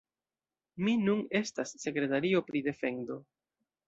Mi nun estas sekretario pri defendo.